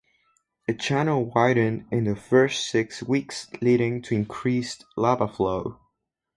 The channel widened in the first six weeks leading to increased lava flow.